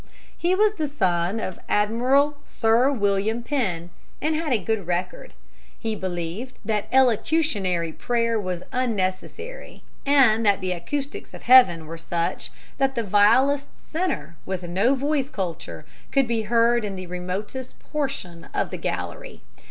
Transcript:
He was the son of Admiral Sir William Penn, and had a good record. He believed that elocutionary prayer was unnecessary, and that the acoustics of heaven were such that the vilest sinner with no voice culture could be heard in the remotest portion of the gallery.